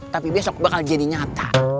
tapi besok bakal jadi nyata